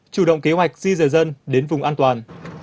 chủ động kế hoạch di rời dân đến vùng an toàn